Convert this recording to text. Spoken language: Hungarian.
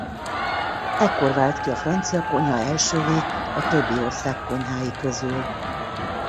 Ekkor vált ki a francia konyha elsővé a többi ország konyhái közül.